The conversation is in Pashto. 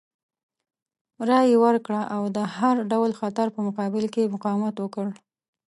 رایه یې ورکړه او د هر ډول خطر په مقابل کې یې مقاومت وکړ.